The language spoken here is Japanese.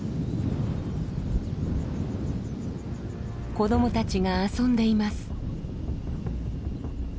子どもたちが遊んでいます。